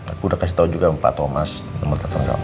aku udah kasih tau juga pak thomas nomer telepon kamu